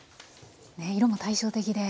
ねっ色も対照的で。